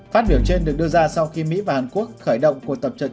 phát biểu trên được đưa ra sau khi mỹ và hàn quốc khởi động cuộc tập trận